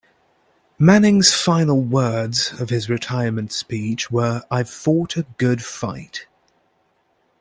Manning's final words of his retirement speech were, I've fought a good fight.